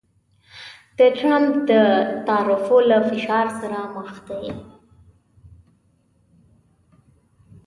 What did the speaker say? د ټرمپ د تعرفو له فشار سره مخ دی